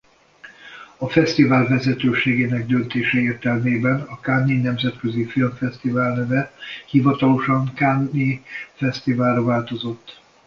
A fesztivál vezetőségének döntése értelmében a Cannes-i Nemzetközi Filmfesztivál neve hivatalosan Cannes-i Fesztiválra változott.